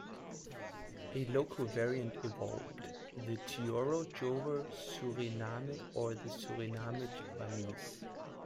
A local variant evolved: the "Tyoro Jowo-Suriname" or "Suriname Javanese".